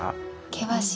険しい。